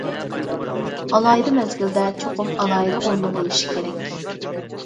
ئالاھىدە مەزگىلدە چوقۇم ئالاھىدە ئورنى بولۇشى كېرەك.